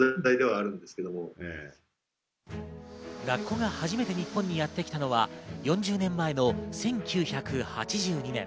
ラッコが初めて日本にやってきたのは４０年前の１９８２年。